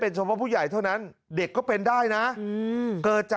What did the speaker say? เป็นสมบัติผู้ใหญ่เท่านั้นเด็กก็เป็นได้นะอืมเกิดจะ